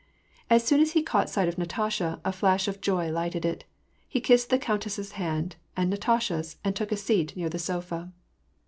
As soon as he caught sight of Natasha, a flash of joy lighted it. He kissed the countess's hand, alid Natasha's, and took a seat near the sofa.